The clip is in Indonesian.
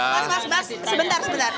mas mas mas sebentar sebentar